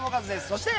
そして。